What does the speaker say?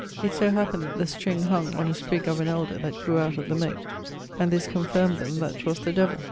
It so happened that the string hung on a sprig of an elder that grew out of the mote, and this confirmed them that 'twas the Devill.